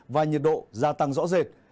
và nhiệt độ gia tăng rõ rệt